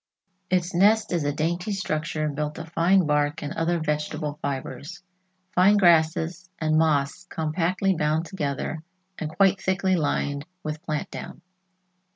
Its nest is a dainty structure built of fine bark and other vegetable fibers, fine grasses and moss compactly bound together and quite thickly lined with plant down.